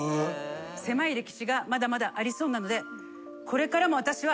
せまい歴史がまだまだありそうなのでこれからも私は。